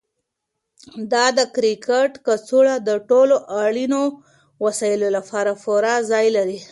دا د کرکټ کڅوړه د ټولو اړینو وسایلو لپاره پوره ځای لري.